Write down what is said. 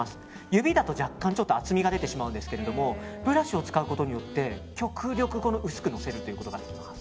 指だと若干厚みが出てしまうんですけどブラシを使うことによって極力薄く乗せることができます。